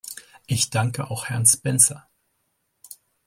Ich danke auch Herrn Spencer.